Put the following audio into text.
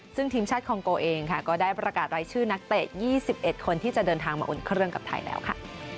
ซึ่งทีมชาติคองโกเองค่ะก็ได้ประกาศรายชื่อนักเตะ๒๑คนที่จะเดินทางมาอุ่นเครื่องกับไทยแล้วค่ะ